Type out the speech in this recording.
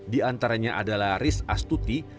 di antaranya adalah riz astuti